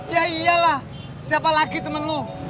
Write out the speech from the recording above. ya iyalah siapa lagi temen lo